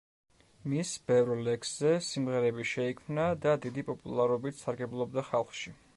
მის ბევრ ლექსზე სიმღერები შეიქმნა და დიდი პოპულარობით სარგებლობდა ხალხში.